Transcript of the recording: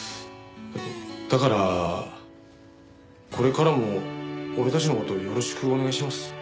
だからこれからも俺たちの事よろしくお願いします。